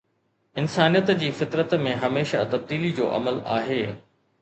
انسانيت جي فطرت ۾ هميشه تبديلي جو عمل آهي